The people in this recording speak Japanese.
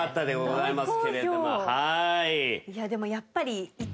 いやでもやっぱり。